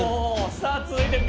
さあ続いてＢ。